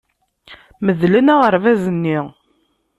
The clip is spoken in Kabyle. Medlen aɣerbaz-nni.